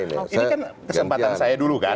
ini kan kesempatan saya dulu kan